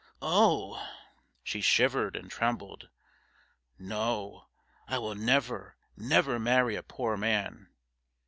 Oh!' she shivered and trembled. 'No, I will never, never marry a poor man.